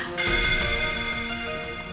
mas al sudah siap